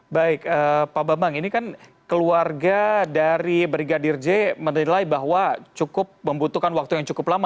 baik pak bambang ini kan keluarga dari brigadir j menilai bahwa cukup membutuhkan waktu yang cukup lama